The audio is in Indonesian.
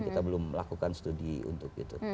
kita belum melakukan studi untuk itu